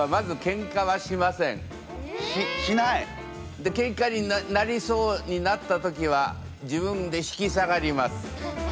けんかになりそうになった時は自分で引き下がります。